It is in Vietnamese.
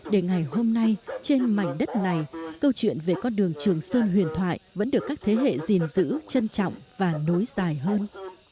để ngày hôm nay trên mảnh đất này câu chuyện về con đường trường sơn huyền thoại vẫn được các thế hệ gìn giữ trân trọng và nối dài hơn